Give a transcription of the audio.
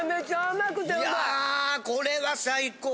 いやこれは最高！